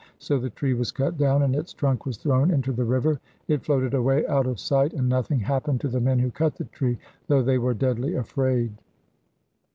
So the tree was cut down, and its trunk was thrown into the river; it floated away out of sight, and nothing happened to the men who cut the tree, though they were deadly afraid.